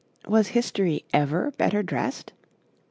Was history ever better dressed?